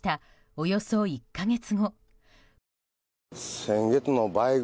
およそ１か月後。